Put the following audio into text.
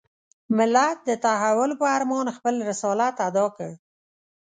ملت د تحول په ارمان خپل رسالت اداء کړ.